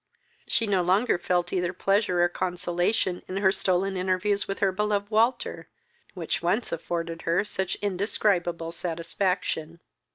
She no longer felt either pleasure or consolation in her stolen interviews with her beloved Walter, which once afforded her such indescribable satisfaction.